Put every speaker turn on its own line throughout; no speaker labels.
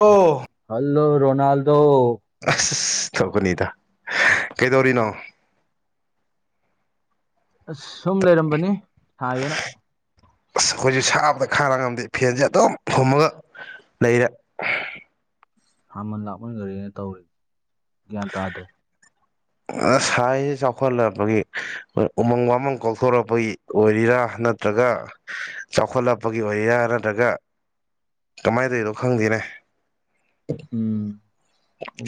ꯑꯣ
hello Ronaldo
ꯑꯁ ꯇꯧꯀꯅꯤꯗ ꯀꯩꯗꯧꯔꯤꯅꯣ
ꯑꯁ ꯁꯨꯝ ꯂꯩꯔꯝꯕꯅꯤ ꯊꯥꯏꯌꯦꯅ
ꯑꯁ ꯑꯩꯈꯣꯏꯁꯨ ꯁꯥꯕꯗ ꯈꯥꯅ ꯉꯝꯗꯦ ꯐꯦꯟꯁꯦ ꯑꯗꯨꯝ ꯊꯨꯝꯃꯒ ꯂꯩꯔꯦ
ꯍꯃꯜ ꯂꯥꯛꯃꯟꯈꯔꯤꯅ ꯇꯧꯔꯤ ꯒ꯭ꯌꯥꯟ ꯇꯥꯗ꯭ꯔꯦ
[unintelligible] ꯁꯥꯏꯁꯦ ꯆꯥꯎꯈꯠꯂꯛꯄꯒꯤ ꯎꯃꯪ ꯋꯥꯃꯪ ꯀꯥꯎꯊꯣꯔꯛꯄꯒꯤ ꯑꯣꯏꯔꯤꯔꯥ ꯅꯠꯇ꯭ꯔ ꯅꯠꯇ꯭ꯔꯒ ꯆꯥꯎꯈꯠꯂꯛꯄꯒꯤ ꯑꯣꯏꯔꯥ ꯅꯠꯇ꯭ꯔꯒ ꯀꯃꯥꯏꯅ ꯇꯧꯔꯤꯅꯣ ꯈꯪꯗꯦꯅꯦ
ꯎꯝ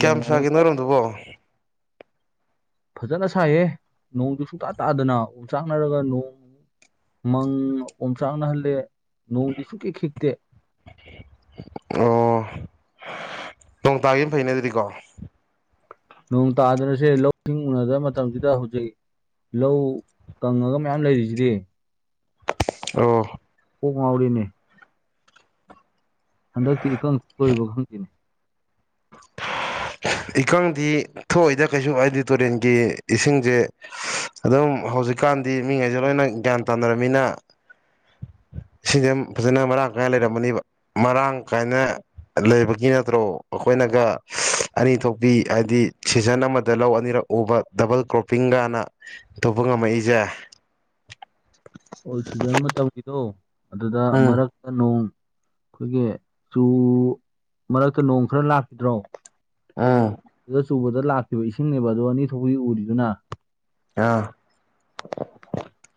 ꯀꯌꯥꯝ
ꯑꯃꯨꯛ
ꯁꯥꯒꯦꯅꯔꯣꯝꯗꯨꯕꯣ
ꯐꯖꯅ ꯁꯥꯏꯌꯦꯦ ꯅꯣꯡꯗꯨ ꯁꯨꯡꯇꯥ ꯇꯥꯗꯅ ꯎ ꯆꯥꯛꯅꯔꯒ ꯅꯣꯡ ꯃꯪ ꯑꯣꯝ ꯆꯥꯡꯅꯍꯜꯂꯦ ꯅꯣꯡꯗꯤ ꯑꯛꯀꯤꯈꯤꯛꯇꯦ
ꯑꯣ ꯇꯣꯡ ꯇꯥꯒ ꯑꯃ ꯐꯩꯅ ꯑꯗꯨꯗꯤꯀꯣ
ꯅꯣꯡ ꯇꯥꯗꯅꯁꯦ ꯂꯧꯁꯤꯡ ꯎꯅꯗꯕ ꯃꯇꯝꯁꯤꯗ ꯍꯧꯖꯤꯛ ꯂꯧ ꯀꯪꯂꯒ ꯃꯌꯥꯝ ꯂꯩꯔꯤꯁꯤꯗꯤ
ꯑꯣ
ꯀ ꯉꯎꯔꯤꯅꯦ ꯍꯟꯗꯛꯇꯤ ꯏꯀꯪ ꯁꯣꯏꯕ ꯈꯪꯗꯣꯏꯅꯦ
[inaudible] ꯏꯀꯪꯗꯤ ꯊꯣꯛꯏꯗ ꯀꯩꯁꯨ ꯍꯥꯏꯗꯤ ꯇꯨꯔꯦꯟꯒꯤ ꯏꯁꯤꯡꯁꯦ ꯑꯗꯨꯝ ꯍꯧꯖꯤꯛꯀꯥꯟꯗꯤ ꯃꯤꯉꯩꯁꯦ ꯂꯣꯏꯅ ꯒ꯭ꯌꯥꯟ ꯇꯥꯅꯔꯕꯝꯃꯤꯅ ꯏꯁꯤꯡꯁꯦ ꯐꯖꯅ ꯃꯔꯥꯡ ꯀꯥꯏꯅ ꯂꯩꯔꯝꯃꯅꯤꯕ ꯃꯔꯥꯡ ꯀꯥꯏꯅ ꯂꯩꯕꯒꯤ ꯅꯠꯇ꯭ꯔꯣ ꯑꯩꯈꯣꯏꯅꯒ ꯑꯅꯤ ꯊꯣꯛꯄꯤ ꯍꯥꯏꯗꯤ ꯁꯤꯖꯟ ꯑꯃꯗ ꯂꯧ ꯑꯅꯤꯔꯛ ꯎꯕ ꯗꯕꯜ ꯀ꯭ꯔꯣꯞꯄꯤꯡ ꯀꯅ ꯊꯣꯛꯄ ꯉꯝꯃꯛꯏꯁꯦ
ꯑꯣꯜ ꯁꯤꯖꯟ ꯃꯇꯝꯒꯤꯗꯣ ꯑꯗꯨꯗ
ꯎꯝ
ꯃꯔꯛꯇ ꯅꯣꯡ ꯑꯩꯈꯣꯏꯒꯤ ꯆꯨ ꯃꯔꯛꯇ ꯅꯣꯡ ꯈꯔ ꯂꯥꯛꯈꯤꯗ꯭ꯔꯣ
ꯎꯝ
ꯑꯗꯨꯗ ꯆꯨꯕꯗ ꯂꯥꯛꯈꯤꯕ ꯏꯁꯤꯡꯅꯦꯕ ꯑꯗꯣ ꯑꯅꯤ ꯊꯣꯛꯗꯤ ꯎꯔꯤꯗꯨꯅ
ꯑꯥ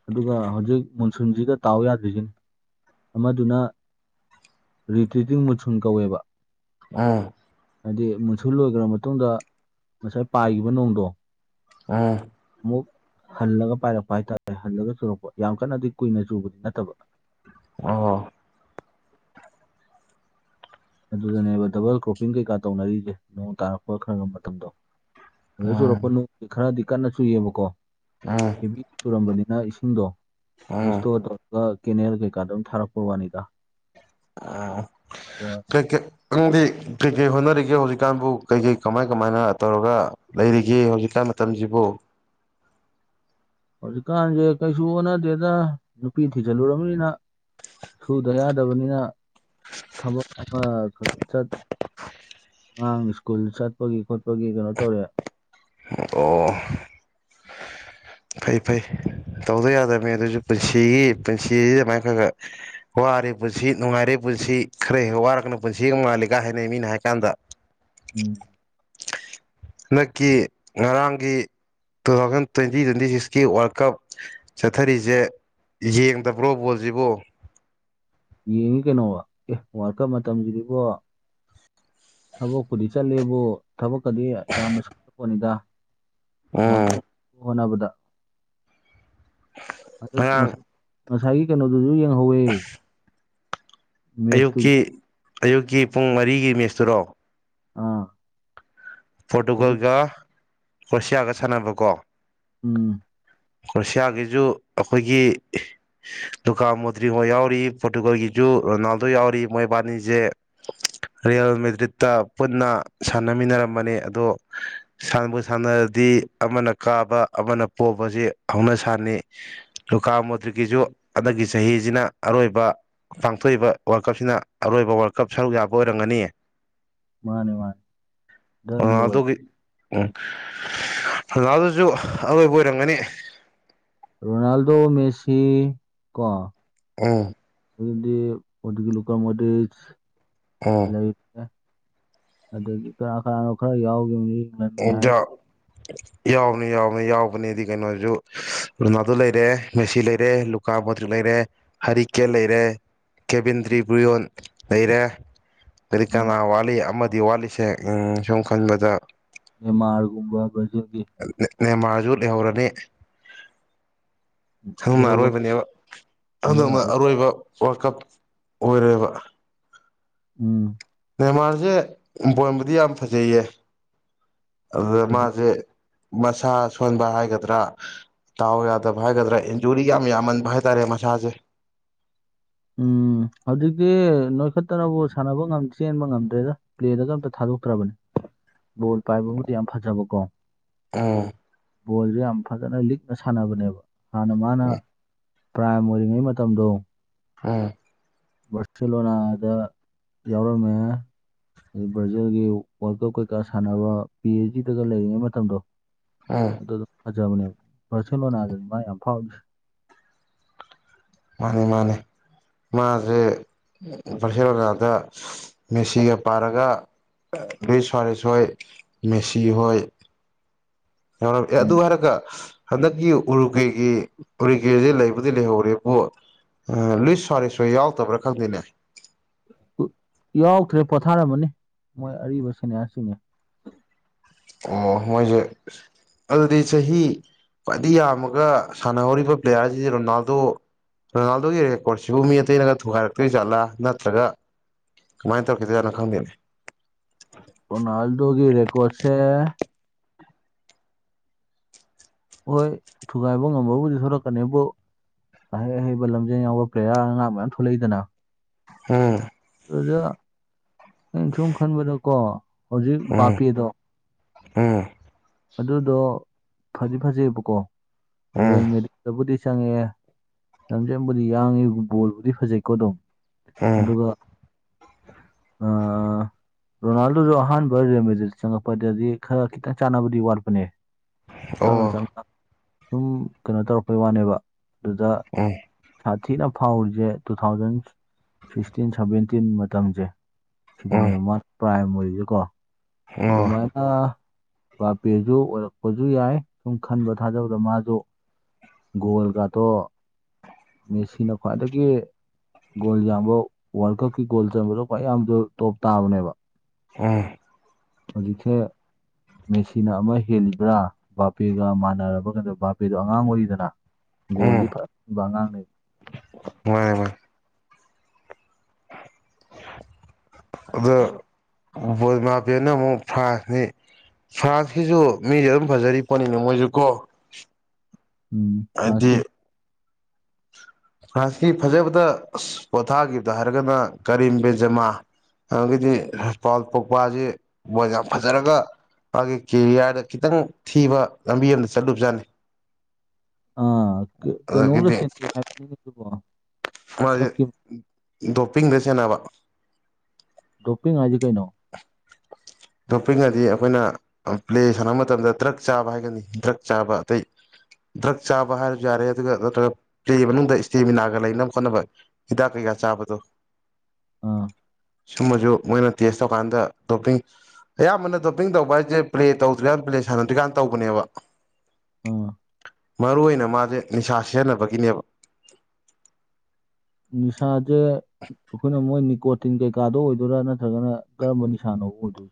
ꯑꯗꯨꯒ ꯍꯧꯖꯤꯛ ꯃꯨꯟꯁꯨꯟꯁꯤꯒ ꯇꯥꯎ ꯌꯥꯗ꯭ꯔꯤꯁꯤꯅꯤ ꯑꯃꯗꯨꯅ ꯔꯤꯇ꯭ꯔꯤꯇꯤꯡ ꯃꯨꯁꯨꯟ ꯀꯧꯋꯦꯕ
ꯑꯥ
ꯍꯥꯏꯗꯤ ꯃꯨꯟꯁꯨ ꯂꯣꯏꯈ꯭ꯔ ꯃꯇꯨꯡꯗ ꯉꯁꯥꯏ ꯄꯥꯏꯈꯤꯕ ꯅꯣꯡꯗꯣ
ꯑ
ꯑꯃꯨꯛ ꯍꯜꯂꯒ ꯄꯥꯏꯔꯛꯄ ꯍꯥꯏꯇꯥꯔꯦ ꯍꯜꯂꯒ ꯆꯨꯔꯛꯄ ꯌꯥꯝ ꯀꯟꯅꯗꯤ ꯀꯨꯏꯅ ꯆꯨꯕꯗꯤ ꯅꯠꯇꯕ
ꯑ
ꯑꯗꯨꯗꯅꯦꯕ ꯗꯕꯜ ꯀ꯭ꯔꯣꯞꯄꯤꯡ ꯀꯩꯀꯥ ꯇꯧꯅꯔꯤꯁꯦ ꯅꯣꯡ ꯇꯥꯔꯛꯄ ꯈꯔꯒ ꯃꯇꯝꯗꯣ ꯑꯗꯨ
ꯎꯝ
ꯆꯨꯔꯛꯄ ꯅꯨꯡ ꯈꯔꯗꯤ ꯀꯟꯅ
ꯎꯝ
ꯆꯨꯏꯌꯦꯕꯀꯣꯕꯤ ꯆꯨꯔꯝꯕꯅꯤ ꯅ ꯏꯁꯤꯡꯗꯣ
ꯎꯝ
ꯏꯁꯇꯣꯔ ꯇꯧꯔꯒ ꯀꯦꯅꯦꯜ ꯀꯩꯀꯥꯗ ꯑꯗꯨꯝ ꯊꯥꯔꯛꯄ ꯋꯥꯅꯤꯒ
ꯑ ꯀ ꯀꯦ ꯅꯪꯗꯤ ꯀꯔꯤꯀꯩ ꯍꯣꯠꯅꯔꯤꯒꯦ ꯍꯧꯖꯤꯛꯀꯥꯟꯕꯨ ꯀꯩ ꯀꯩ ꯀꯃꯥꯏ ꯀꯃꯥꯏꯅ ꯇꯧꯔꯒ ꯂꯩꯔꯤꯒꯦ ꯍꯧꯖꯤꯛ ꯃꯇꯝꯁꯤꯕꯨ
ꯍꯧꯖꯤꯛꯀꯥꯟꯁꯦ ꯀꯩꯁꯨ ꯑꯣꯟꯅꯗꯦꯗ ꯅꯨꯄꯤ ꯊꯤꯖꯤꯜꯂꯨꯅꯤꯅ ꯁꯨꯗ ꯌꯥꯗꯕꯅꯤꯅ ꯊꯕꯛ ꯑꯃ ꯈꯖ ꯆꯠ ꯑꯉꯥꯡ ꯁ꯭ꯀꯨꯜ ꯆꯠꯄꯒꯤ ꯈꯣꯠꯄꯒꯤ ꯀꯩꯅꯣ ꯇꯧꯔꯦ
ꯑꯣ ꯐꯩ ꯐꯩ ꯇꯧꯗ ꯌꯥꯗꯕꯅꯤ ꯑꯗꯨꯏꯁꯨ ꯄꯨꯟꯁꯤꯒꯤ ꯄꯨꯟꯁꯤꯁꯤ ꯑꯗꯨꯃꯥꯏꯅ ꯈꯔ ꯈ ꯋꯥꯔꯦ ꯄꯨꯟꯁꯤ ꯅꯨꯡꯉꯥꯏꯔꯦ ꯄꯨꯟꯁꯤ ꯈꯔ ꯍꯦꯛ ꯋꯥꯔꯛꯒꯅ ꯄꯨꯟꯁꯤꯒ ꯃꯥꯥꯜꯂꯤ ꯀ ꯍꯥꯏꯅꯩ ꯃꯤꯅ ꯍꯥꯏ ꯀꯥꯟꯗ
ꯎꯝ
ꯍꯟꯗꯛꯀꯤ ꯉꯔꯥꯡꯒꯤ ꯇꯨ ꯊꯥꯎꯖꯟ ꯇ꯭ꯋꯦꯟꯇꯤ ꯇ꯭ꯋꯦꯟꯇꯤ ꯁꯤꯛꯁꯀꯤ ꯋꯥꯔꯜ ꯀꯞ ꯆꯠꯊꯔꯤꯁꯦ ꯌꯦꯡꯗꯕ꯭ꯔꯣ ꯕꯣꯜꯁꯤꯕꯣ
ꯌꯦꯡꯉꯤ ꯀꯩꯅꯣꯕ ꯑꯦ ꯋꯥꯔ ꯀꯞ ꯃꯇꯝꯁꯤꯗꯤꯕꯣ ꯊꯕꯛꯄꯨꯗꯤ ꯆꯠꯂꯦꯕꯨ ꯊꯕꯛꯀꯗꯤ ꯌꯥꯝꯅ ꯁꯂꯛꯄꯅꯤꯗ
ꯑꯥ
ꯍꯣꯠꯅꯕꯗ ꯑꯗꯨꯛ ꯉꯁꯥꯏ
ꯉꯔꯥꯡ
ꯉꯁꯥꯏꯒꯤ ꯀꯩꯅꯣꯗꯨꯁꯨ ꯌꯦꯡꯍꯧꯋꯦ ꯃꯦꯠꯁꯇꯨꯁꯨ
ꯑꯌꯨꯛꯀꯤ ꯑꯌꯨꯛꯀꯤ ꯄꯨꯡ ꯃꯔꯤꯒꯤ ꯃꯦꯁꯇꯨꯔꯣ
ꯑꯥ ꯑꯗꯨ
ꯄꯣꯔꯇꯨꯒꯜꯒ ꯀ꯭ꯔꯣꯁꯤꯌꯥꯒ ꯁꯥꯟꯅꯕꯀꯣ
ꯎꯝ
ꯀ꯭ꯔꯣꯁꯤꯌꯥꯒꯤꯁꯨ ꯑꯩꯈꯣꯏꯒꯤ ꯗꯨꯀꯥ ꯃꯨꯇ꯭ꯔꯤꯉ ꯌꯥꯎꯔꯤ ꯄꯣꯔꯇꯨꯒꯜꯒꯤ ꯨ ꯔꯣꯅꯥꯜꯗꯣ ꯌꯥꯎꯔꯤ ꯃꯣꯏꯕꯥꯅꯤꯁꯦ ꯔꯤꯌꯦꯜ ꯃꯦꯗ꯭ꯔꯤꯠꯇ ꯄꯨꯟꯅ ꯁꯥꯟꯅꯃꯤꯟꯅꯔꯝꯕꯅꯤ ꯑꯗꯣ ꯁꯅꯕ ꯁꯥꯟꯅꯔꯗꯤ ꯑꯃꯅ ꯀꯥꯕ ꯑꯃꯅ ꯄꯣꯁ ꯍꯧꯅ ꯁꯥꯟꯅꯩ ꯂꯨꯒꯥꯥ ꯃꯨꯇ꯭ꯔꯤꯀꯤꯁꯨ ꯍꯟꯗꯛꯀꯤ ꯆꯍꯤꯁꯤꯅ ꯑꯔꯣꯏꯕ ꯄꯥꯡꯊꯣꯛꯏꯕ ꯋꯥꯔꯜ ꯀꯞꯁꯤꯅ ꯑꯔꯣꯏꯕ ꯋꯥꯔꯜ ꯀꯞ ꯁꯔꯨꯛ ꯌꯥꯕ ꯑꯣꯏꯔꯝꯒꯅꯤ
ꯃꯥꯅꯦ ꯃꯥꯅꯦ ꯗꯟ ꯂꯣꯏꯔꯦ
ꯑꯗꯨꯒꯤ ꯎꯝ ꯔꯣꯅꯥꯟꯗꯣꯁꯨ ꯑꯔꯣꯏꯕ ꯑꯣꯏꯔꯝꯒꯅꯤ
ꯔꯣꯅꯥꯜꯗꯣ ꯃꯦꯁꯤ ꯀꯣ
ꯎꯝ
ꯑꯗꯩꯗꯤ ꯂꯨꯀꯃꯣꯗꯔꯤꯛ
ꯎꯝ
ꯂꯩꯇꯦ ꯑꯗꯒꯤ ꯀꯅꯥ ꯀꯅꯥꯅꯣ ꯈꯔ ꯌꯥꯎꯈꯤꯕꯅꯤ ꯏꯪꯂꯟꯒꯤ ꯍꯥꯏꯔꯒꯅ
ꯌꯥꯎꯕꯅꯤ ꯌꯥꯎꯕꯅꯤ ꯌꯥꯎ ꯀꯩꯅꯣꯁꯨ ꯂꯩꯔꯦ ꯃꯦꯁꯤ ꯂꯩꯔꯦ ꯔꯨꯅꯥꯟꯗꯣ ꯂꯩꯔꯦ ꯂꯨꯀꯃꯣꯗꯔꯤꯛ ꯂꯩꯔꯦ ꯍꯔꯤ ꯂꯩꯔꯦ ꯀꯦꯕꯤꯟꯗ꯭ꯔꯤ ꯕ꯭ꯔꯨꯌꯣꯟ ꯂꯩꯔꯦ ꯀꯔꯤ
ꯎꯝ
ꯀꯥꯅ ꯋꯥꯂꯤ ꯑꯃꯗꯤ ꯋꯥꯂꯤꯁꯦ ꯎ ꯁꯨꯝ ꯈꯟꯕꯗ
ꯅꯦꯃꯥꯔꯒꯨꯝꯕ ꯕꯥꯔꯖꯤꯟꯒꯤ
ꯅꯦꯃꯥꯔꯖꯨ ꯂꯩꯍꯧꯔꯅꯤ ꯁꯅ
ꯂꯩꯍꯧꯕ
ꯑꯔꯣꯏꯕꯅꯦꯕ ꯑꯗꯨꯗꯅ ꯑꯔꯣꯏꯕ ꯋꯥꯔꯀꯞ ꯑꯣꯏꯔꯦꯕ
ꯎꯝ
ꯁꯅꯦ ꯃꯥꯁꯦꯄꯣꯟꯕꯨꯗꯤ ꯌꯥꯝ ꯐꯖꯩꯌꯦ ꯑꯗꯨꯗ
ꯐꯖ
ꯃꯥꯁꯦ ꯃꯁꯥ ꯁꯣꯟꯕ ꯍꯥꯏꯒꯗ꯭ꯔꯥ ꯇꯥꯎ ꯌꯥꯗꯕ ꯍꯥꯏꯒꯗ꯭ꯔꯥ ꯏꯟꯖꯨꯔꯤ ꯌꯥꯝ ꯌꯥꯝꯃꯟꯕ ꯍꯥꯏꯇꯥꯔꯦ ꯃꯁꯥꯁꯦ
ꯎꯝ ꯍꯧꯖꯤꯛꯇꯤ ꯅꯣꯏꯈꯠꯇꯅꯕꯨ ꯁꯥꯟꯅꯕ ꯆꯦꯟꯕ ꯉꯝꯗ꯭ꯔꯦꯗ ꯄ꯭ꯂꯦꯗꯗ ꯑꯝꯇ ꯊꯥꯗꯦ ꯊꯥꯗꯣꯛꯇ꯭ꯔꯕꯅꯦ ꯕꯣꯜ ꯄꯥꯏꯕꯕꯨꯗꯤ ꯌꯥꯝ ꯐꯖꯕꯀꯣ
ꯑꯝ
ꯕꯣꯜꯁꯦ ꯌꯥꯝ ꯐꯖꯅ ꯂꯤꯛꯅ ꯁꯥꯟꯅꯕꯅꯦꯕ ꯍꯥꯟꯅ ꯃꯥꯅ
ꯎꯝ
ꯄ꯭ꯔꯥꯝ ꯑꯣꯏꯔꯤꯉꯩ ꯃꯇꯝꯗꯣ
ꯑꯥ
ꯕꯥꯔꯁꯤꯂꯣꯅꯗ ꯌꯥꯎꯔꯝꯃꯦ [inaudible]
ꯑꯥ
ꯑꯗꯨꯗꯣ ꯐꯖꯕꯅꯦꯕ ꯕꯥꯔꯁꯤꯂꯣꯅꯥꯗꯅꯦ ꯃꯅ ꯌꯥꯝ ꯐꯥꯎꯔꯤꯁꯦ
ꯃꯥꯅꯤ ꯃꯥꯅꯦ ꯃꯥꯁꯦ ꯄ꯭ꯔꯁꯤꯔꯣꯅꯗ ꯃꯦꯁꯤꯒ ꯄꯥꯔꯒ ꯑꯩ ꯁꯨꯋꯔꯦꯁ ꯍꯣꯏ ꯃꯦꯁꯤ ꯍꯣꯏ ꯍ
ꯎꯝ
ꯑꯗꯨꯍꯥꯢꯔꯒ ꯍꯟꯗꯛꯀꯤ ꯎꯔꯨꯀꯦꯒꯤ ꯎꯔꯤꯀꯦꯁꯦ ꯂꯩꯕꯨꯗꯤ ꯂꯩꯍꯧꯔꯦꯕꯣ ꯂꯨꯏꯁ ꯁꯨꯋꯔꯦꯁ ꯌꯥꯎꯗꯕ꯭ꯔꯥ ꯈꯪꯗꯦꯅꯦ
ꯌꯥꯎꯗ꯭ꯔꯦ ꯄꯣꯊꯥꯔꯝꯃꯅꯤ ꯃꯣꯏ ꯑꯔꯤꯕ ꯁꯦꯅꯤꯌꯥꯁꯤꯡꯅꯦ
ꯑꯣ ꯃꯣꯢꯁꯤ ꯑꯗꯨꯗꯤ ꯆꯍꯤ ꯈ꯭ꯋꯥꯏꯗꯒꯤ ꯌꯥꯝꯃꯒ ꯁꯥꯟꯅꯍꯧꯔꯤꯕ ꯄ꯭ꯂꯦꯌꯥꯔꯁꯤꯗꯤ ꯔꯣꯅꯥꯜꯗꯣ ꯔꯣꯅꯥꯜꯗꯣꯒꯤ ꯔꯦꯀꯣꯔꯠꯁꯤꯕꯨ ꯃꯤ ꯑꯇꯩꯅꯒ ꯊꯨꯒꯥꯏꯔꯛꯇꯣꯏ ꯖꯠꯂꯥ ꯅꯠꯇ꯭ꯔꯒ ꯀꯃꯥꯏꯅ ꯇꯧꯔꯈꯤꯗꯨꯢꯖꯠꯅꯣ ꯈꯪꯗꯦꯅꯦ
ꯔꯣꯅꯥꯜꯗꯣ ꯀꯤ ꯔꯦꯀꯣꯠꯁꯦ ꯍꯣꯏ ꯊꯨꯒꯥꯏꯕ ꯉꯝꯕꯕꯨꯗꯤ ꯊꯣꯛꯂꯛꯀꯅꯤꯕꯨ ꯑꯍꯩ ꯑꯍꯩꯕ ꯂꯝꯖꯦꯜ ꯌꯥꯎꯕ ꯄ꯭ꯂꯦꯌꯥꯔ ꯑꯉꯥꯡ ꯃꯌꯥꯝ ꯊꯣꯛꯂꯛꯏꯗꯅ
ꯑꯥ
ꯑꯗꯨꯖꯣ [inaudible] ꯅꯪ ꯁꯨꯝ ꯈꯟꯕꯗ ꯀꯣ ꯍꯧꯖꯤꯛ
ꯎꯝ
ꯕꯥꯄꯤꯗꯣ
ꯎꯝ
ꯑꯗꯨꯗꯣ ꯐꯗꯤ ꯐꯖꯩꯑꯦꯕꯀꯣ
ꯎꯝ
ꯔꯤꯌꯦꯜꯃꯦꯇꯔꯤꯛꯗꯕꯨꯗꯤ ꯆꯪꯉꯛꯑꯦ ꯂꯝ ꯆꯪꯕꯨꯗꯤ ꯌꯥꯡꯉꯤ ꯕꯣꯜꯕꯨꯗꯤ ꯐꯖꯩꯀꯣ ꯑꯗꯨꯝ
ꯎꯝ
ꯑꯗꯨꯒ ꯑ ꯔꯣꯅꯥꯜꯗꯣꯁꯨ ꯑꯍꯥꯟꯕ ꯔꯦꯃꯦꯗꯤꯗ ꯆꯪꯉꯛꯄꯗꯗꯤ ꯈꯔ ꯈꯤꯇꯪ ꯆꯥꯅꯕꯗꯤ ꯋꯥꯠꯄꯅꯦ
ꯑꯣ
ꯇꯞꯅ ꯇꯞꯅ ꯁꯨꯝ ꯀꯩꯅꯣ ꯇꯧꯔꯛꯄꯩ ꯋꯥꯅꯦꯕ ꯑꯗꯨꯗ
ꯎꯝ
ꯁꯥꯊꯤꯅ ꯐꯥꯎꯔꯤꯁꯦ ꯇꯨ ꯊꯥꯎꯖꯟ ꯁꯤꯛꯁꯇꯤꯟ ꯁꯚꯦꯟꯇꯤꯟ ꯔ ꯇꯤꯟ ꯃꯇꯝꯁꯦ ꯁꯤꯗꯅꯦꯕ ꯃꯥ ꯄ꯭ꯔꯥꯏꯝ ꯃꯔꯤꯁꯦꯀꯣ
ꯎꯝ
ꯑꯗꯨ
ꯑꯣ
ꯃꯥꯏꯅ ꯕꯥꯄꯦꯁꯨ ꯑꯣꯏꯔꯛꯄꯁꯨ ꯌꯥꯏ ꯁꯨꯝ ꯈꯟꯕ ꯊꯥꯖꯕꯗ ꯃꯥꯁꯨ ꯒꯣꯜꯒꯗꯣ ꯃꯦꯁꯤꯅ ꯈ꯭ꯋꯥꯏꯗꯒꯤ ꯒꯣꯜ ꯌꯥꯝꯕ ꯋꯥꯔꯜ ꯀꯞꯀꯤ ꯒꯣꯜ ꯆꯕꯗꯣ ꯈ꯭ꯋꯥꯏ ꯌꯥꯝ ꯇꯣꯞ ꯇꯥꯕꯅꯦꯕ
ꯎꯝ
ꯍꯧꯖꯤꯊꯦ ꯃꯦꯁꯤꯅ ꯑꯃ ꯍꯦꯜꯂꯤꯕ꯭ꯔꯥ ꯕꯥꯄꯦꯒ ꯃꯥꯟꯅꯔꯕ ꯀꯗ ꯕꯥꯕꯦꯗꯣ ꯑꯉꯥꯡ ꯑꯣꯏꯔꯤꯗꯅ ꯕꫭꯜꯗꯤ
ꯎꯝ
ꯐꯥꯕꯉꯥꯡꯥꯡꯅ
ꯃꯥꯅꯦ ꯃꯥꯅꯦ
[inaudible]
ꯃꯥꯄꯅ ꯑꯃꯨꯛ ꯐ꯭ꯔꯥꯟꯁꯅꯤ ꯐ꯭ꯔꯥꯟꯁꯀꯤꯁꯨ ꯃꯤꯁꯦ ꯑꯗꯨꯝ ꯐꯖꯔꯤ ꯄꯣꯠꯅꯤꯅꯦ ꯃꯣꯏꯁꯨ ꯀꯣ
ꯎꯝ
ꯍꯥꯏꯗꯤ
ꯐ꯭ꯔꯥꯟꯁꯀꯤ
ꯐ꯭ꯔꯥꯟꯁꯀꯤ ꯐꯖꯕꯗ ꯄꯣꯊꯥꯈꯤꯕꯗ ꯍꯥꯏꯔꯒꯅ ꯀꯔꯤꯝ ꯕꯦꯟꯖꯦꯃꯥ ꯑꯗꯒꯤꯗꯤ ꯄꯥꯎ ꯄꯣꯛꯄꯁꯤ ꯃꯣꯏ ꯌꯥꯝ ꯐꯖꯔꯒ ꯃꯥꯒꯤ ꯀꯦꯔꯤꯌꯥꯔꯗ ꯈꯤꯇꯪ ꯊꯤꯕ ꯂꯝꯕꯤ ꯑꯃꯗ ꯆꯠꯂꯨꯕꯖꯥꯠꯅꯤ
ꯑ ꯀꯩꯅꯣꯝꯗ
ꯑꯗꯒꯤꯗꯤ ꯃꯥꯁꯦ
ꯗ꯭ꯔꯛꯀꯤ
ꯗꯣꯞꯄꯤꯡꯗ ꯁꯦꯟꯅꯕ
ꯗꯣꯞꯄꯤꯡ ꯍꯥꯏꯖꯤ ꯀꯩꯅꯣ
ꯑꯣꯞꯄꯤꯉꯗꯤ ꯑꯩꯈꯣꯏꯅ ꯄ꯭ꯂꯦ ꯁꯥꯟꯅꯕ ꯃꯇꯝꯗ ꯗ꯭ꯔꯛ ꯆꯥꯕ ꯍꯥꯏꯒꯅꯤ ꯗ꯭ꯔꯛ ꯆꯥꯕ ꯑꯇꯩ ꯗ꯭ꯔꯛ ꯆꯥꯕ ꯍꯥꯏꯔꯁꯨ ꯌꯥꯔꯦ ꯑꯗꯨꯒ ꯅꯠꯇ꯭ꯔꯒ ꯐꯦ ꯃꯅꯨꯡꯗ ꯏꯁꯇꯦꯃꯤꯅꯥꯒ ꯂꯩꯅꯕ ꯈꯣꯠꯅꯕ ꯍꯤꯗꯥꯛ ꯀꯩ ꯀꯩ ꯆꯥꯕꯗꯣ
ꯑꯥ
ꯁꯨꯝꯕꯁꯨ ꯃꯣꯏꯅ ꯇꯦꯁ ꯇꯧꯀꯥꯟꯗ ꯇꯣꯞꯄꯤꯡ ꯑꯌꯥꯝꯕꯅ ꯗꯣꯞꯄꯤꯡ ꯇꯧꯕ ꯍꯥꯏꯁꯦ ꯄ꯭ꯂꯦ ꯇꯧꯗ꯭ꯔꯤꯀꯥꯟꯗ ꯄ꯭ꯂꯦ ꯁꯥꯟꯅꯗ꯭ꯔꯤꯀꯥꯟꯗ ꯇꯧꯕꯅꯦꯕ
ꯑꯥ
ꯃꯔꯨ ꯑꯣꯏꯅ ꯃꯥꯁꯦ ꯅꯤꯁꯥ ꯁꯤꯖꯤꯟꯅꯕꯒꯤꯅꯦꯕ
ꯅꯤꯁꯥꯁꯦ ꯑꯩꯈꯣꯏꯅ ꯃꯣꯏ ꯅꯤꯀꯣꯇꯤꯟ ꯀꯩꯀꯥꯗ ꯑꯣꯏꯗꯣꯏꯔꯥ ꯅꯠꯇ꯭ꯔꯒꯅ ꯀꯔꯝꯕ ꯅꯤꯁꯥꯅꯣ ꯍꯗꯨ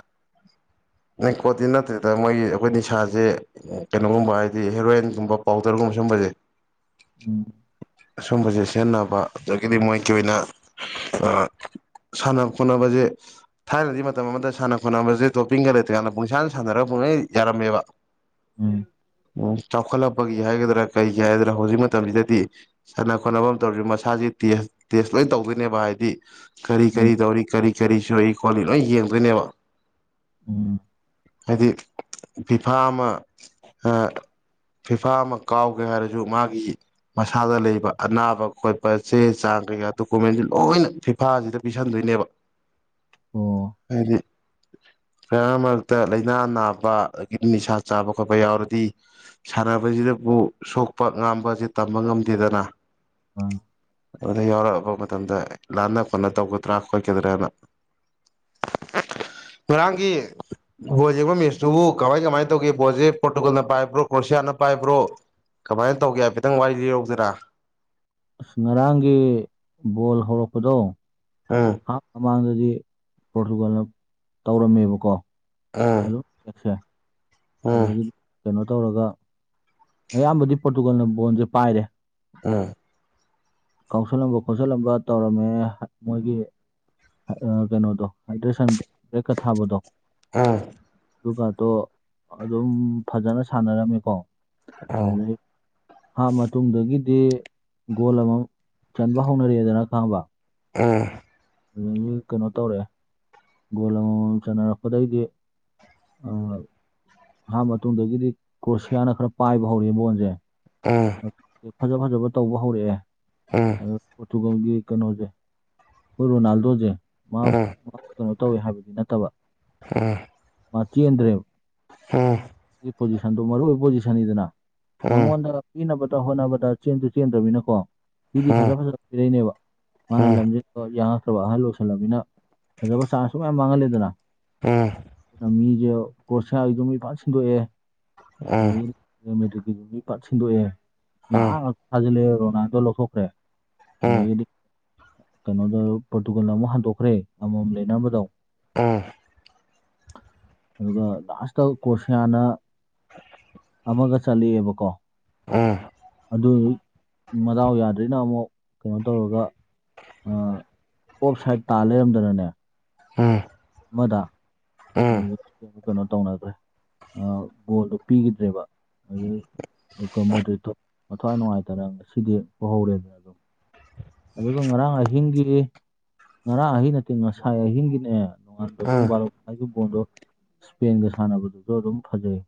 ꯅꯤꯀꯣꯠꯇꯤ ꯅꯠꯇꯦꯗ ꯃꯣꯏꯒꯤ ꯑꯩꯈꯣꯏ ꯅꯤꯁꯥꯁꯦ ꯀꯩꯅꯣꯒꯨꯝꯕ ꯍꯥꯏꯗꯤ ꯍꯦꯔꯣꯏꯟꯒꯨꯝꯕ ꯄꯥꯎꯗꯔꯒꯨꯝꯕ ꯑꯁꯨꯝꯕꯗꯦ
ꯎꯝ
ꯑꯁꯨꯝꯕꯁꯦ ꯁꯤꯖꯤꯟꯅꯕ ꯑꯗꯒꯤꯗꯤ ꯃꯣꯏꯒꯤ ꯑꯣꯏꯅ ꯁꯥꯟꯅ ꯈꯣꯠꯅꯕꯁꯦ ꯊꯥꯏꯅꯗꯤ ꯃꯇꯝ ꯑꯃꯗ ꯁꯥꯟꯅ ꯈꯣꯠꯅꯕꯁꯦ ꯇꯣꯞꯄꯤꯡꯒ ꯂꯩꯇ꯭ꯔꯀꯥꯟꯗ ꯄꯨꯡꯁꯥꯅ ꯁꯥꯟꯅꯔꯒ ꯩ ꯖꯔꯝꯃꯤꯕ
ꯎꯝ
ꯎꯝ ꯆꯥꯎꯈꯠꯂꯛꯄꯒꯤ ꯍꯥꯏꯒꯗ꯭ꯔꯥ ꯀꯔꯤꯒꯤ ꯍꯥꯏꯒꯗ꯭ꯔꯥ ꯍꯧꯖꯤꯛ ꯃꯇꯝꯁꯤꯗꯗꯤ ꯁꯥꯟꯅ ꯈꯣꯠꯅꯕ ꯑꯃ ꯇꯧꯔꯤꯁꯤ ꯃꯁꯥꯁ ꯇꯦꯁ ꯂꯣꯏ ꯇꯧꯗꯣꯏꯅꯦꯕ ꯍꯥꯏꯗꯤ ꯀꯔꯤ
ꯎꯝ
ꯀꯔꯤ ꯇꯧꯔꯤ ꯀꯔꯤ ꯀꯔꯤꯁꯨ ꯑꯩ ꯈꯣꯂꯤ ꯂꯣꯏ ꯌꯦꯡꯗꯣꯏꯅꯦꯕ
ꯎꯝ
ꯍꯥꯏꯗꯤ ꯐꯤꯐꯥ ꯑꯃ ꯐꯤꯐꯥ ꯑꯃ ꯀꯥꯎꯒꯦ ꯍꯥꯏꯔꯁꯨ ꯃꯥꯒꯤ ꯃꯁ ꯥꯗ ꯂꯩꯕ ꯑꯅꯥꯕ ꯈꯣꯠꯄ ꯆꯦ ꯆꯥꯡ ꯀꯩꯀꯥ ꯗꯣꯀꯨꯃꯦꯟꯁꯤ ꯂꯣꯏꯅ ꯐꯤꯐꯥꯁꯤꯗ ꯄꯤꯁꯟꯗꯣꯏꯅꯦꯕ
ꯑꯣ
ꯍꯥꯏꯗꯤ ꯐ ꯃꯔꯛꯇ ꯂꯥꯏꯅꯥ ꯅꯥꯕ ꯑꯗꯒꯤ ꯅꯤꯁꯥ ꯆꯥꯕ ꯈꯣꯠꯄ ꯌꯥꯎꯔꯗꯤ ꯁꯥꯟꯅꯕꯁꯤꯗ ꯑꯗꯨꯕꯨ ꯁꯣꯛꯄ ꯉꯥꯁ ꯇꯝꯕ ꯉꯝꯗꯦꯗꯅ
ꯑꯥ
ꯑꯗꯨꯗ ꯌꯥꯎꯔꯛꯑꯕ ꯃꯇꯝꯗ ꯂꯥꯟꯅ ꯈꯣꯠꯅ ꯇꯧꯒꯗ꯭ꯔꯥ ꯈꯣꯠꯀꯗ꯭ꯔꯥꯅ [inaudible] ꯉꯔꯥꯡꯒꯤ ꯕꯣꯜꯕ ꯃꯦꯁꯇꯨꯕꯨ ꯀꯃꯥꯏ ꯀꯃꯥꯏꯅ ꯇꯧꯒꯦ ꯣꯁꯦ ꯄꯣꯔꯇꯨꯒꯜꯅ ꯄꯥꯏꯕ꯭ꯔꯣ ꯀ꯭ꯔꯣꯁꯤꯌꯥ ꯀꯅꯥ ꯄꯥꯏꯕ꯭ꯔꯣ ꯀꯃꯥꯏꯅ ꯇꯧꯒꯦ ꯍꯥꯏꯐꯦꯠꯇꯪ ꯋꯥꯔꯤ ꯂꯤ ꯌꯧꯗꯅ
ꯑꯁ ꯉꯔꯥꯡꯒꯤ ꯕꯣꯜ ꯍꯧꯔꯛꯄꯗꯣ
ꯎꯝ
ꯍꯥꯞ ꯃꯃꯥꯡ ꯑꯗꯨꯗꯤ ꯄꯣꯔꯇꯨꯒꯥꯜꯅ ꯇꯧꯔꯝꯃꯦꯕꯀꯣ
ꯎꯝ
ꯑꯗꯨ ꯌꯦꯁꯦ ꯑꯗꯨ
ꯎꯝ
ꯑꯗꯨꯗꯤ ꯀꯩꯅꯣ ꯇꯧꯔꯒ ꯑꯌꯥꯝꯕꯗꯤ ꯄꯣꯔꯇꯨꯒꯜꯅ ꯕꯣꯟꯁꯦ ꯄꯥꯏꯔꯦ
ꯎꯝ
ꯀꯥꯎꯁꯜꯂꯝꯕ ꯈꯣꯠꯆꯜꯂꯝꯕ ꯇꯧꯔꯝꯃꯦ ꯃꯣꯏꯒꯤ ꯀꯩꯅꯣꯗꯣ ꯍꯥꯏꯗ꯭ꯔꯦꯁꯟ ꯕꯦꯛꯀ ꯊꯥꯕꯗꯣ
ꯑꯥ
ꯑꯗꯨꯒꯗꯣ ꯑꯗꯨꯝ ꯐꯖꯅ ꯁꯥꯟꯅꯔꯝꯃꯤꯀꯣ
ꯑ
ꯍꯥ ꯃꯇꯨꯡꯗꯒꯤꯗꯤ ꯒꯣꯜ ꯑꯃ ꯆꯟꯕ ꯍꯧꯅꯔꯦꯗꯅ ꯈꯪꯕ
ꯎꯝ
ꯑꯗꯒꯤ ꯀꯩꯅꯣ ꯇꯧꯔꯛꯑꯦ ꯒꯣꯜ ꯑꯃꯃꯝ ꯆꯥꯟꯅꯔꯛꯄꯗꯩꯗꯤ ꯑꯗꯨ ꯑꯍꯥꯟꯕ ꯃꯇꯨꯡꯗꯒꯤꯗꯤ ꯀ꯭ꯔꯣꯁꯤꯌꯥꯅ ꯈꯔ ꯄꯥꯏꯕ ꯍꯧꯔ ꯕꯣꯟꯁꯦ
ꯑꯥ
ꯐꯖ ꯐꯖꯕ ꯇꯧꯕ
ꯎꯝ
ꯍꯧꯔꯛꯑꯦ ꯑ ꯀꯩꯅꯣꯁꯦ ꯍꯈꯣꯏ ꯔꯣꯅꯥꯜꯗꯣꯁꯦ ꯇꯧꯋꯦ ꯍꯥꯏꯕꯗꯤ ꯅꯠꯇꯕ
ꯑꯝ
ꯃꯆꯗ꯭ꯔꯝ
ꯍꯝ
ꯄꯣꯖꯤꯁꯟ ꯃꯔꯨꯑꯣ ꯑꯣꯏ ꯄꯣꯖꯤꯁꯟꯅꯤꯗꯅ ꯃꯉꯣꯟꯗ ꯄꯤꯅꯕ ꯍꯣꯠꯅꯕꯗ ꯆꯦꯟꯁꯨ ꯆꯦꯟꯗ꯭ꯔꯅꯤꯅꯀꯣ ꯄꯗꯤ ꯐꯖ ꯐꯖꯕ ꯄꯤꯔꯛꯏꯅꯦꯕ ꯃꯥꯅ ꯂꯝꯁꯤ ꯐꯠꯇ꯭ꯔꯕ ꯑꯍꯜ ꯂꯣꯏꯁꯜꯂꯅꯤꯅ ꯐꯖꯕ ꯆꯥꯟꯁꯁꯨ ꯃꯌꯥꯝ ꯃꯥꯡꯍꯜꯂꯦꯗꯅ ꯑꯗꯨꯅ ꯃꯤ ꯀꯔꫭꯁꯤꯌꯥ ꯒꯤꯗꯣ ꯃꯤ ꯄꯥꯛ ꯁꯤꯟꯗꯣꯛꯑꯦꯗꯒꯤ ꯃꯤ ꯄꯠ ꯁꯤꯟꯗꯣꯛꯑꯦ ꯉꯍꯥꯛ ꯉꯍꯥꯛ ꯊꯥꯖꯤꯜꯂꯛꯑꯦ ꯔꯣꯅꯥꯜꯗꯣ ꯂꯧꯊꯣꯛꯈ꯭ꯔꯦ ꯑꯗꯨꯗꯒꯤꯗꯤ ꯀꯩꯅꯣꯗ ꯄꯣꯔꯇꯨꯒꯜ ꯑꯃ ꯍꯟꯗꯣꯛꯈ꯭ꯔꯦ ꯑꯃꯃꯝ ꯂꯩꯝꯕꯗꯣ
ꯎꯝ
ꯑꯗꯨꯒ ꯂꯥꯁꯇ ꯀ꯭ꯔꯣꯁꯤꯌꯥꯅ ꯑꯃꯒ ꯆꯠꯂꯤꯕꯀꯣ
ꯎꯝ
ꯑꯗꯨ ꯃꯅꯥꯎ ꯌꯥꯗ꯭ꯔꯦꯅ ꯑꯃꯨꯛ ꯀꯩꯅꯣ ꯇꯧꯔꯒ ꯑꯣꯞ ꯁꯥꯏꯠ ꯇꯥ ꯂꯩꯔꯝꯗꯅꯅꯦ
ꯎꯝ
ꯑꯃꯗ
ꯎꯝ ꯎꯝ
ꯑꯗꯨ ꯑꯃꯨꯛ ꯀꯩꯅꯣ ꯇꯧꯅꯈ꯭ꯔꯦ ꯕꯣꯟꯗꯣ ꯄꯤꯈꯤꯗ꯭ꯔꯦꯕ ꯑꯗꯨ ꯑꯗꯨꯒ ꯃꯣꯗ꯭ꯔꯤꯛꯇꯨ ꯃꯊꯋꯥꯏ ꯅꯨꯡꯉꯥꯏꯇꯔꯦ ꯉꯥꯁꯤꯗꯤ ꯄꫭꯍꯧꯔꯦꯗꯅ ꯑꯗꯨꯝ ꯑꯗꯨꯒ ꯉꯔꯥꯡ ꯑꯍꯤꯡꯒꯤ ꯉꯔꯥꯡ ꯑꯍꯤꯡ ꯅꯠꯇꯦ ꯉꯁꯥꯏ ꯑꯍꯤꯡꯒꯤꯅꯦ ꯅꯣꯡꯉꯥꯟꯕ ꯄꯨꯡꯕꯥꯔꯣꯒꯤ ꯕꯣꯜꯗꯣ ꯏꯁꯄꯦꯟꯒ ꯁꯥꯟꯅꯕꯗꯨꯁꯨ ꯑꯗꯨꯝ ꯐꯖꯩ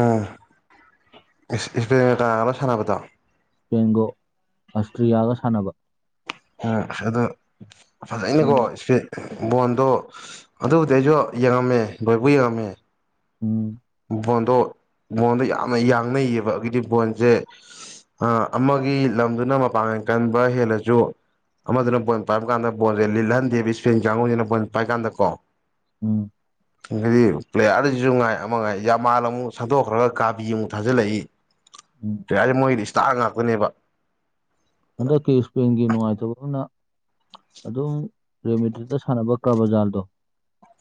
ꯎꯝ ꯏꯁꯄꯦ ꯇꯒ ꯂ ꯁꯥꯟꯅꯕꯗꯣ
ꯕꯦꯡꯒꯣ ꯑꯁꯇ꯭ꯔꯤꯌꯥꯒ ꯁꯥꯟꯅꯕ
ꯎ ꯑꯗꫭ ꯐꯖꯩꯅꯤꯀꯣ
ꯎꯝ
ꯏꯁꯄꯤꯠ ꯕꯣꯟꯗꯣ ꯑꯗꯨꯕꯨꯗꯤ ꯑꯩꯁꯨ ꯌꯦꯡꯉꯝꯃꯦ ꯕꯣꯏꯕꯨ ꯌꯦꯡꯉꯝꯃꯦ
ꯎꯝ
ꯕꯣꯟꯗꯣ ꯕꯣꯟꯗꯣ ꯌꯥꯝꯅ ꯌꯥꯡꯅꯩꯌꯦꯕ ꯑꯗꯤ ꯕꯣꯟꯁꯦ ꯑ ꯑꯃꯒꯤ ꯂꯝꯗꯨꯅ ꯃꯄꯥꯡꯒꯟ ꯀꯟꯕ ꯍꯦꯜꯂꯁꯨ ꯑꯃꯗꯨꯅ ꯕꯣꯟ ꯄꯥꯏꯕ ꯀꯥꯟꯗ ꯕꯣꯣꯟꯁꯦ ꯂꯤꯜꯍꯟꯗꯦꯕ ꯏꯁꯄꯤꯟ ꯀꯥꯡꯨꯅꯤꯅ ꯕꯣꯟ ꯄꯥꯏꯀꯥꯟꯗ ꯀꯣ
ꯎꯝ
ꯗꯤ ꯄ꯭ꯂꯦꯌꯥꯔꯁꯨꯉꯥꯏ ꯑ ꯌꯥꯝꯃꯥꯟ ꯑꯃꯨꯛ ꯁꯟꯗꯣꯛꯈ꯭ꯔꯒ ꯒꯥꯕꯤ ꯑꯃꯨꯛ ꯊꯥꯖꯤꯜꯂꯛꯏ
ꯎꯝ
ꯖꯑꯥꯗꯤꯃꯣꯏꯗꯤ ꯇꯥꯛ ꯉꯥꯛꯄꯅꯦꯕ
ꯍꯟꯗꯛꯀꯤ ꯏꯁꯄꯦꯟꯒꯤ ꯅꯨꯡꯉꯥꯏꯇꯕ ꯃꯅ ꯑꯗꯨꯝ ꯔꯦꯃꯤꯇꯔꯤꯇ ꯁꯥꯟꯅꯕ ꯀꯔꯕꯖꯥꯟꯗꯣ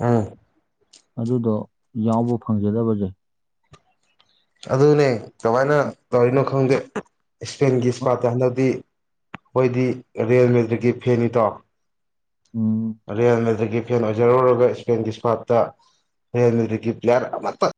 ꯑꯥ
ꯑꯗꯨꯗꯣ ꯌꯥꯎꯕ ꯐꯪꯖꯗꯕꯖꯦ
ꯑꯗꯨꯅꯦ ꯀꯃꯥꯏꯅ ꯇꯧꯔꯤꯅꯣ ꯈꯪꯗꯦ ꯏꯁꯄꯦꯟꯒꯤ ꯏꯁꯄꯥꯠꯇ ꯍꯟꯗꯛꯇꯤ ꯍꯣꯏꯗꯤ ꯔꯦꯜ ꯃꯦꯗ꯭ꯔꯤꯛꯀꯤ ꯐꯦꯟꯅꯤꯇꯣ
ꯎꯝ
ꯔꯦꯜ ꯃꯦꯗꯔ꯭ꯤꯠꯀꯤ ꯐꯦꯟ ꯑꯣꯏꯖꯔꯨꯔꯒ ꯏꯁꯄꯦꯟꯒꯤ ꯏꯁꯄꯥꯔꯞꯇ ꯍꯦꯟ ꯑꯗꯨꯗꯒꯤ ꯄ꯭ꯂꯦꯌꯥꯔ ꯑꯃꯠꯇ